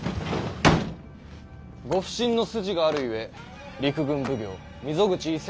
ご不審の筋があるゆえ陸軍奉行溝口伊勢